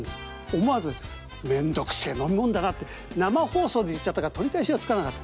思わず「めんどくせえ飲み物だな」って生放送で言っちゃったから取り返しがつかなかった。